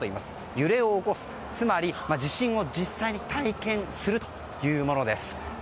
揺れを起こす、つまり地震を実際に体験するものです。